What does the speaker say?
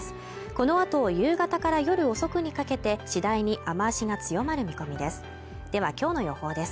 このあと夕方から夜遅くにかけて次第に雨足が強まる見込みですではきょうの予報です